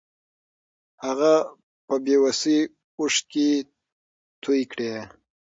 هغه په بې وسۍ اوښکې توې کړې.